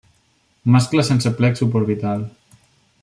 Mascles sense plec suborbital.